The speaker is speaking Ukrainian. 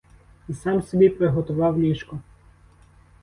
І сам собі приготував ліжко.